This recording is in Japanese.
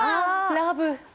ラブ。